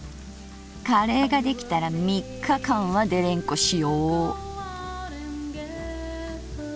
カレーが出来たら３日間はデレンコしよう。